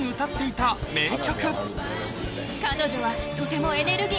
「彼女は」